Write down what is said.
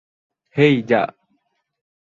হেই, যা।